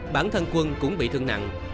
bản thân quân cũng bị thương nặng